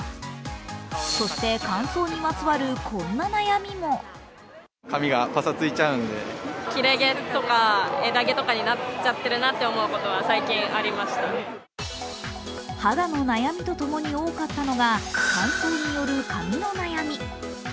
そして、乾燥にまつわるこんな悩みも肌の悩みと共に多かったのが乾燥による髪の悩み。